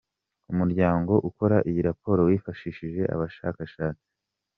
Umuryango ukora iyi raporo wifashishije abashakashatsi.